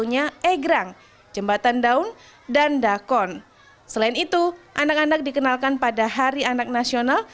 namanya egrang jembatan daun dan dakon selain itu anak anak dikenalkan pada hari anak nasional